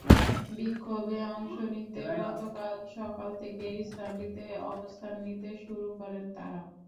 বিক্ষোভে অংশ নিতে গতকাল সকাল থেকেই স্থানটিতে অবস্থান নিতে শুরু করেন তাঁরা।